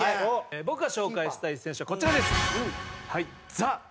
僕が紹介したい選手はこちらです！